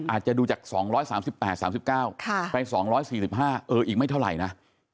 อาจจะดูจาก๒๓๘๓๙ไป๒๔๕เอออีกไม่เท่าไหร่นะ